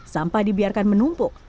sampah dibiarkan menumpuk